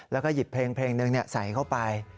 แล้วก็หยิบเพลงหนึ่งใส่เข้าไป